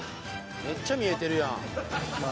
めっちゃ見えてるやんまあ